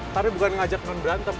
tapi bukan ngajak non berantem